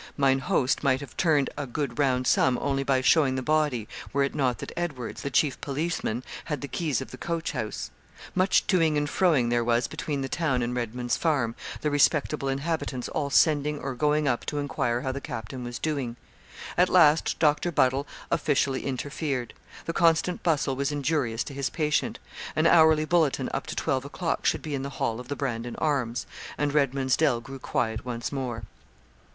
Mine host might have turned a good round sum only by showing the body, were it not that Edwards, the chief policeman, had the keys of the coach house. Much to ing and fro ing there was between the town and Redman's Farm, the respectable inhabitants all sending or going up to enquire how the captain was doing. At last Doctor Buddle officially interfered. The constant bustle was injurious to his patient. An hourly bulletin up to twelve o'clock should be in the hall of the 'Brandon Arms;' and Redman's Dell grew quiet once more.